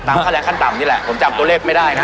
ค่าแรงขั้นต่ำนี่แหละผมจำตัวเลขไม่ได้นะ